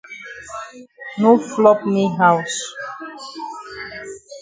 No flop me haus.